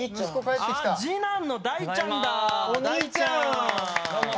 次男の大ちゃんだ。